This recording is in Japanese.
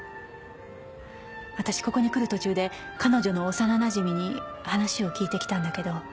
私ここに来る途中で彼女の幼なじみに話を聞いてきたんだけど。